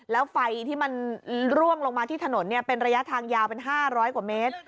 แล้วไฟที่มันร่วงลงมาที่ถนนเป็นระยะทางยาวเป็น๕๐๐กว่าเมตร